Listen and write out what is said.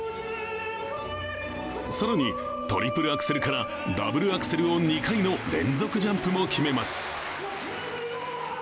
更に、トリプルアクセルからダブルアクセルを２回の連続ジャンプも決めます。